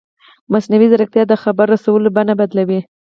مصنوعي ځیرکتیا د خبر رسولو بڼه بدلوي.